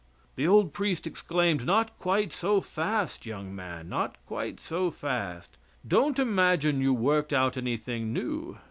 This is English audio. The old priest exclaimed: "Not quite so fast, young man; not quite so fast. Don't imagine you worked out anything new.